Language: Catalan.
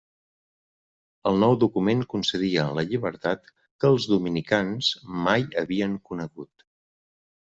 El nou document concedia la llibertat que els dominicans mai havien conegut.